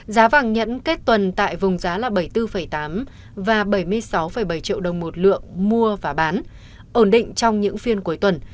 giá vàng nhẫn kết tuần tại vùng giá là bảy mươi bốn tám và bảy mươi sáu bảy triệu đồng một lượng mua và bán ổn định trong những phiên cuối tuần